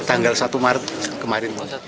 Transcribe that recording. tanggal satu maret kemarin